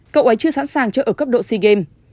cậu ấy chưa sẵn sàng chợ ở cấp độ sea games